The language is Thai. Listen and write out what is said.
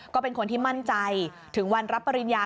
ก็เป็นคนที่มั่นใจถึงวันรับปริญญา